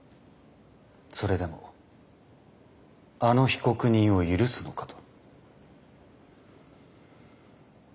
それでもあの被告人を許すのかと。